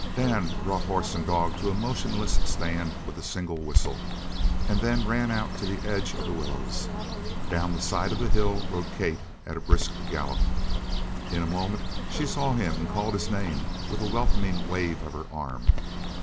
Dan brought horse and dog to a motionless stand with a single whistle, and then ran out to the edge of the willows. Down the side of the hill rode Kate at a brisk gallop. In a moment she saw him and called his name, with a welcoming wave of her arm.